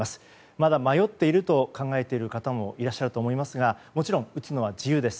まだ迷っていると考えている方もいらっしゃると思いますがもちろん打つのは自由です。